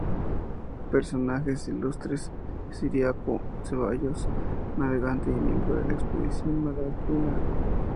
Personajes ilustres: Ciriaco Ceballos, navegante y miembro de la expedición Malaspina.